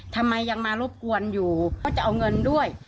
ทำไมยังมารบกวนอยู่เขาจะเอาเงินด้วย